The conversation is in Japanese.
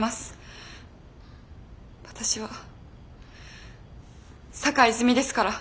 私は坂井泉水ですから。